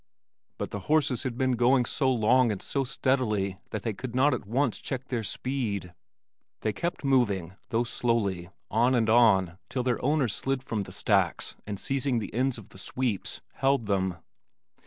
But the horses had been going so long and so steadily that they could not at once check their speed. They kept moving, though slowly, on and on till their owners slid from the stacks and seizing the ends of the sweeps, held them.